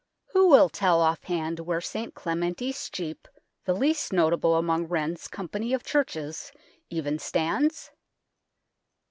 Who will tell off hand where St Clement East cheap, the least notable among Wren's company of churches, even stands